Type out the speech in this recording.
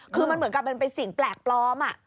คือมันเหมือนกับมันเป็นสิ่งแปลกปลอม